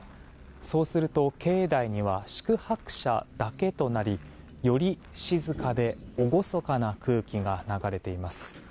そうすると、境内には宿泊者だけとなりより静かで厳かな空気が流れています。